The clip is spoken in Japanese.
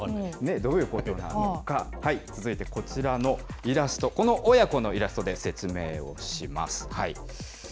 どういうことなのか、続いてこのイラスト、この親子のイラストで説明をします。